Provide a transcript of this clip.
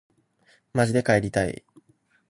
まじで帰りたい